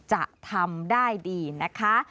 จะทำได้ดีนะคะ